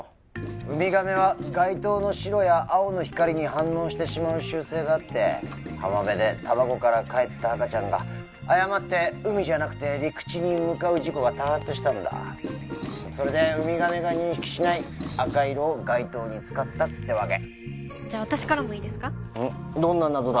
ウミガメは街灯の白や青の光に反応してしまう習性があって浜辺で卵からかえった赤ちゃんが誤って海じゃなくて陸地に向かう事故が多発したんだそれでウミガメが認識しない赤色を街灯に使ったってわけじゃあ私からもいいですかどんな謎だ